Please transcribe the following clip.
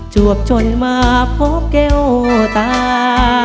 วบจนมาพบแก้วตา